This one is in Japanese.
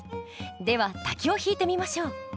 では「滝」を引いてみましょう。